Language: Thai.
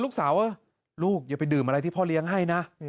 ลูกสาวว่าลูกอย่าไปดื่มอะไรที่พ่อเลี้ยงให้นะ